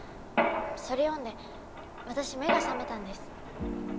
それ読んで私目が覚めたんです。